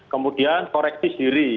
kemudian koreksi diri